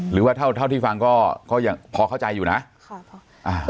หรือว่าเท่าที่ฟังก็พอเข้าใจอยู่นะค่ะพ่อ